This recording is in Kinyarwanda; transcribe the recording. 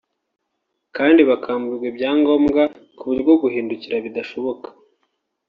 kandi bakamburwa ibyangombwa ku buryo guhindukira bidashoboka